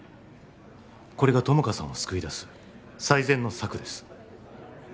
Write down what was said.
これが友果さんを救い出す最善の策です